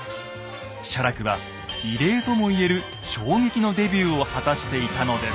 写楽は異例とも言える衝撃のデビューを果たしていたのです。